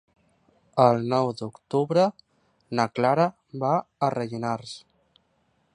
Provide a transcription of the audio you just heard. El nou d'octubre na Clara va a Rellinars.